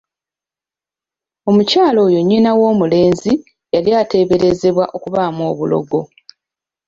Omukyala oyo nnyina w'omulenzi yali ateeberezebwa okubaamu obulogo!